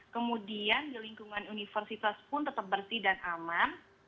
kemudian di lingkungan universitas pun tetap bersih dan aman